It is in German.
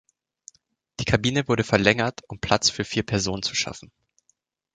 Die Kabine wurde verlängert, um Platz für vier Personen zu schaffen.